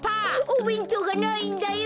おべんとうがないんだよ。